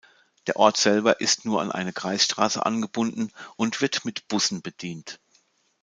Der Ort selber ist nur an eine Kreisstraße angebunden und wird mit Bussen bedient.